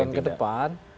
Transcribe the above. lima tahun ke depan